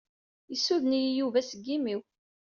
Yessuden-iyi Yuba seg imi-w.